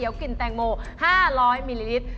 โปรดติดตามต่อไป